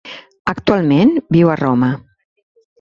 Actualment viu a Roma.